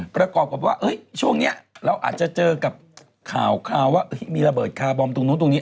ประกอบกับว่าช่วงนี้เราอาจจะเจอกับข่าวว่ามีระเบิดคาร์บอมตรงนู้นตรงนี้